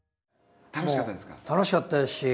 楽しかったですか？